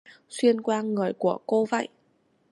Xuyên qua người của cô vậy